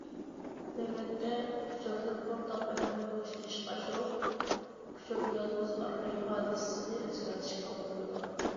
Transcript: نۆۋەتتە، ئۇچۇردىن ئورتاق بەھرىمەن بولۇشنى ئىشقا ئاشۇرۇپ، ئۇچۇر يالغۇز ئارىلى ھادىسىسىنى ئۆزگەرتىشكە توغرا كېلىدۇ.